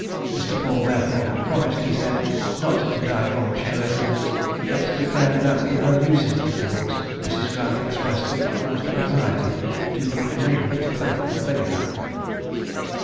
Mr. Paul therefore had promised, he said, not to divulge her residence; but declared that in her lucid intervals, Mrs. Grant expressed the utmost anxiety to be enabled to thank her benefactor.